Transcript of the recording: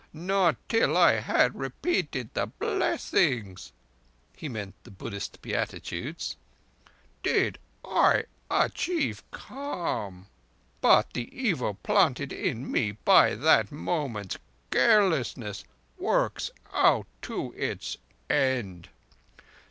Not till I had repeated the Blessings" (he meant the Buddhist Beatitudes) "did I achieve calm. But the evil planted in me by that moment's carelessness works out to its end.